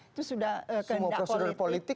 itu sudah keendah politik